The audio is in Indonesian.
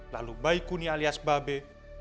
lalu baikuni alias babe